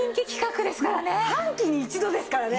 もう半期に一度ですからね。